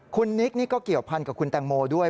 คุณนิกนี่ก็เกี่ยวพันกับคุณแตงโมด้วย